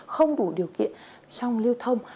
không đủ điều kiện trong lưu thông